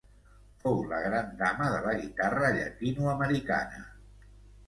Fou la gran dama de la guitarra llatinoamericana.